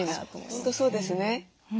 本当そうですね。